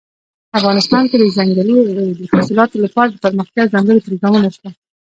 افغانستان کې د ځنګلي حاصلاتو لپاره دپرمختیا ځانګړي پروګرامونه شته.